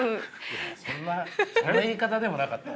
そんなそんな言い方でもなかった。